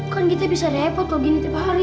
kan kita bisa repot kok gini tiap hari